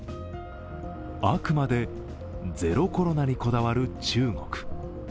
あくまでゼロコロナにこだわる中国。